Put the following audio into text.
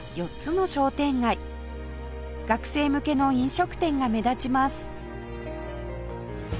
学生向けの飲食店が目立ちます